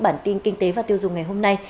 bản tin kinh tế và tiêu dùng ngày hôm nay